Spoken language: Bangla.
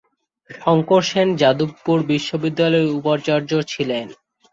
শঙ্কর সেন যাদবপুর বিশ্ববিদ্যালয়ের উপাচার্য ছিলেন।